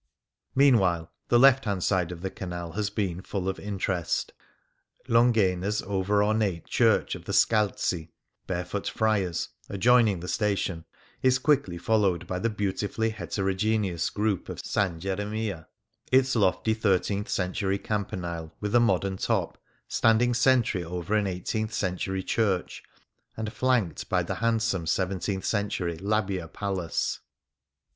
Meanwhile the left hand side of the Canal has been full of interest. Longhena's over ornate church of the Scalzi (Barefoot Friars), adjoining the station, is quickly followed by the beautifully heterogeneous group of S. Geremia, its lofty thirteenth century campanile, with a modem top, standing sentry over an eighteenth century church, and flanked by the handsome seventeenth century Labbia Palace.